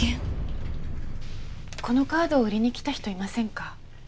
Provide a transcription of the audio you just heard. このカードを売りに来た人いませんか？